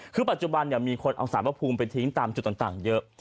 คือปัจจุบันมีคนเอาสารพระภูมิไปทิ้งตามจุดต่างเยอะ